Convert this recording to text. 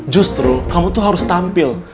justru kamu tuh harus tampil